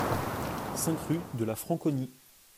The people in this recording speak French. cinq rue de la Franconie